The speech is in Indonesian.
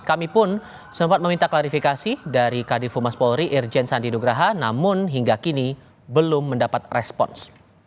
kami pun sempat meminta klarifikasi dari kadifu mas polri irjen sandi nugraha namun hingga kini belum mendapat respons